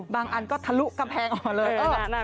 บางอันก็ทะลุกำแพงออกเลยนะ